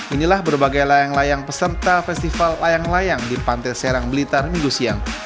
inilah berbagai layang layang peserta festival layang layang di pantai serang blitar minggu siang